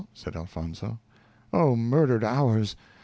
said Elfonzo. "Oh, murdered hours!